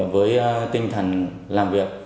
với tinh thần làm việc